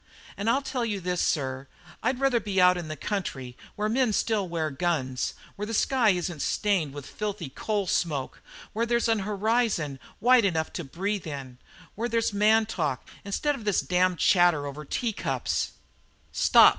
"And I'll tell you this, sir: I'd rather be out in the country where men still wear guns, where the sky isn't stained with filthy coal smoke, where there's an horizon wide enough to breathe in, where there's man talk instead of this damned chatter over tea cups " "Stop!"